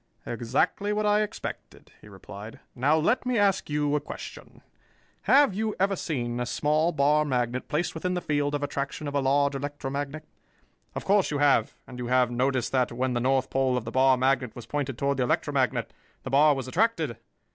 "Exactly what I expected," he replied. "Now let me ask you a question. Have you ever seen a small bar magnet placed within the field of attraction of a large electromagnet? Of course you have, and you have noticed that, when the north pole of the bar magnet was pointed toward the electromagnet, the bar was attracted.